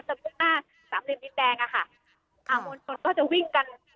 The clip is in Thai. จำหน้าสำเร็จนิดแดงอ่ะค่ะอ่ามนตรก็จะวิ่งกัน